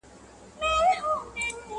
طبیعت د انسانانو نه بدلیږي؛؛!